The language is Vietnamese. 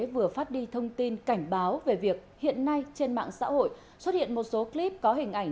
vừa phát đi thông tin cảnh báo về việc hiện nay trên mạng xã hội xuất hiện một số clip có hình ảnh